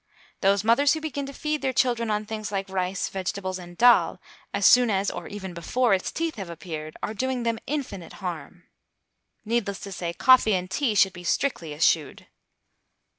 Those mothers who begin to feed their children on things like rice, vegetables and dhall, as soon as or even before its teeth have appeared, are doing them infinite harm. Needless to say, coffee and tea should be strictly eschewed.